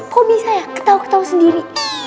kok bisa ya ketawa ketawa sendiri